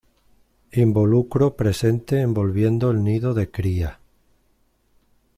Involucro presente envolviendo el nido de cría.